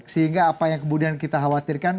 sehingga apa yang kemudian kita khawatirkan